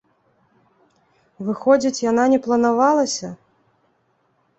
Выходзіць, яна не планавалася?